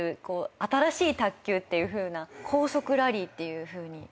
新しい卓球っていうふうな高速ラリーっていうふうになって。